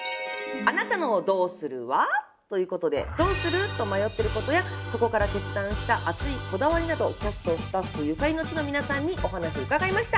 「あなたのどうするは？」ということでどうする？と迷ってることやそこから決断した熱いこだわりなどキャストスタッフゆかりの地の皆さんにお話を伺いました。